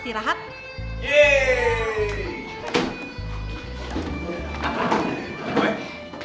ayolah ada di deste bawah